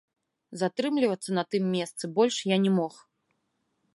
Затрымлівацца на тым месцы больш я не мог.